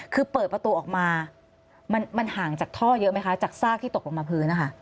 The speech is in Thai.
คือเปิดประตูออกมามันห่างจากท่อเยอะไหมคะจากซากที่ตกลงมาพื้นนะคะ